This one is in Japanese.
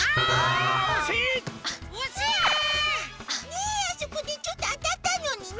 ねえあそこでちょっとあたったのにね。